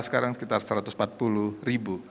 sekarang sekitar satu ratus empat puluh ribu